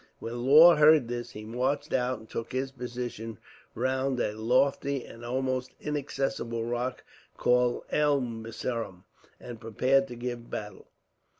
When Law heard this, he marched out and took his position round a lofty and almost inaccessible rock called Elmiseram, and prepared to give battle.